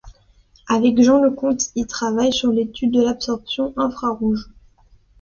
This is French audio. Avec Jean Lecomte, il travaille sur l'étude de l'absorption infrarouge.